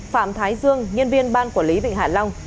phạm thái dương nhân viên ban quản lý vịnh hạ long